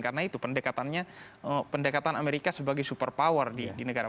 karena itu pendekatannya pendekatan amerika sebagai super power di negara